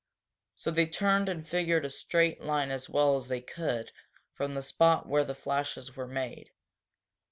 So they turned and figured a straight line as well as they could from the spot where the flashes were made.